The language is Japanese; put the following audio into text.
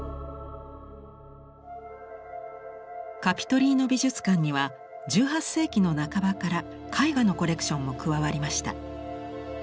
カピトリーノ美術館には１８世紀の半ばから絵画のコレクションも加わりました。